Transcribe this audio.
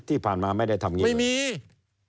ที่ผ่านมาไม่ได้ทำงี้ไหมไม่มี